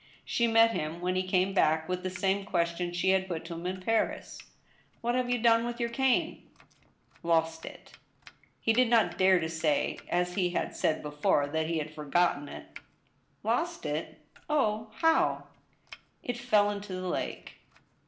She met him, when he came back, with the same question she had put to him in Paris :" What have you done with your cane ?"" Lost it." He did not dare to say, as he had said before, that he had forgotten it. " Lost it ?— oh, how ?" "It fell into the lake."